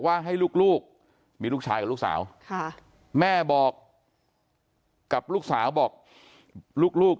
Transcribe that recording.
ให้ลูกมีลูกชายกับลูกสาวแม่บอกกับลูกสาวบอกลูก